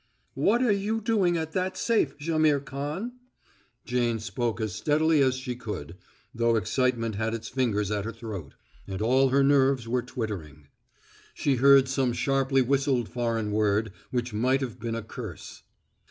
"What are you doing at that safe, Jaimihr Khan?" Jane spoke as steadily as she could, though excitement had its fingers at her throat, and all her nerves were twittering. She heard some sharply whistled foreign word, which might have been a curse.